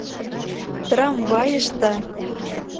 ТРАМВАЙЫШТЕ